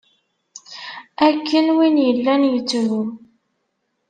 Akken win yellan yettru.